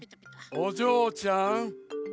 おじょうちゃん。